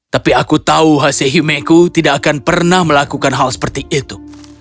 tapi aku tahu hasehimeku tidak akan pernah melakukan hal seperti itu